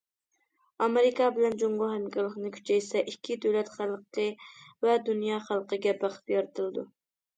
ئامېرىكا بىلەن جۇڭگو ھەمكارلىقنى كۈچەيتسە، ئىككى دۆلەت خەلقى ۋە دۇنيا خەلقىگە بەخت يارىتىلىدۇ.